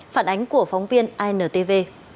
phản ánh của phóng viên intv